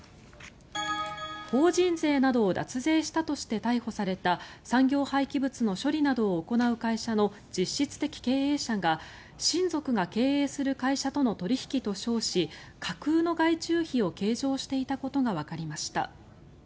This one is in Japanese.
法人税などを脱税したとして逮捕された産業廃棄物の処理などを行う会社の実質的経営者が親族が経営する会社との取引と称し架空の外注費を計上していたことがわかりました。